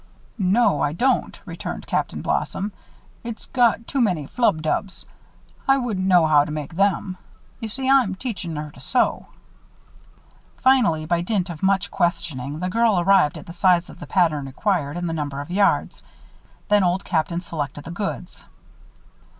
"No, I don't," returned Captain Blossom. "It's got too many flub dubs. I wouldn't know how to make them. You see, I'm a teachin' her to sew." Finally, by dint of much questioning, the girl arrived at the size of the pattern required and the number of yards. Then Old Captain selected the goods.